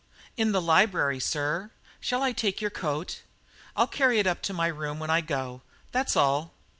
"In the library, sir. Shall I take your coat?" "I'll carry it up to my room when I go. That's all."